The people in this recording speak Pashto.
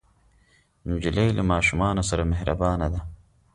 نجلۍ له ماشومانو سره مهربانه ده.